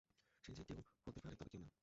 সে যে কেউ হতে পারে তবে কেউ না।